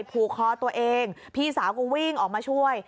ผูกคอตัวเองพี่สาวก็วิ่งออกมาช่วย